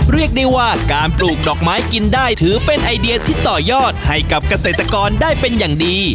เรียกได้ว่าการปลูกดอกไม้กินได้ถือเป็นไอเดียที่ต่อยอดให้กับเกษตรกรได้เป็นอย่างดี